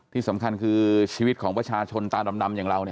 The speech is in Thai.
ที่สำคัญคือชีวิตของประชาชนตาดำอย่างเรา